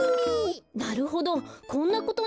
なるほどこんなことに。